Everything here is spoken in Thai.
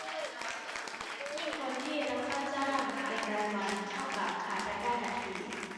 ยิ่งคนที่รับค่าจ้างเป็นรายวัน เท่ากับขาดรายได้ทันที